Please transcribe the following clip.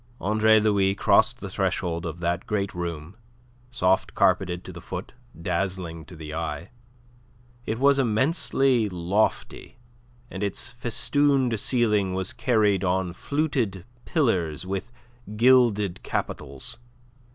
Andre Louis crossed the threshold of that great room, soft carpeted to the foot, dazzling to the eye. It was immensely lofty, and its festooned ceiling was carried on fluted pillars with gilded capitals.